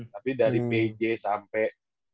tapi dari pj sampai